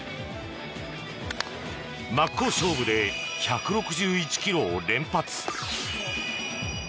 真っ向勝負で１６１ｋｍを連発。